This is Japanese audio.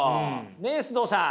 ねっ須藤さん？